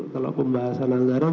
kalau pembahasan anggaran